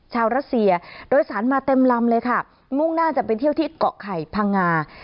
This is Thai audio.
รัสเซียโดยสารมาเต็มลำเลยค่ะมุ่งหน้าจะไปเที่ยวที่เกาะไข่พังงา